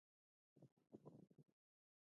هغوی د سمندر په خوا کې تیرو یادونو خبرې کړې.